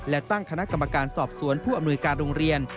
และตั้งคณะกรรมการสอบสวนผู้อำนวยการโรงเรียน